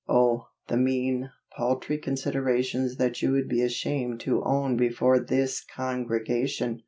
Oh, the mean, paltry considerations that you would be ashamed to own before this congregation!